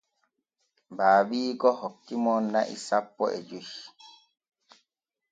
Baabiiko hoki mo na'i sanpo e joy.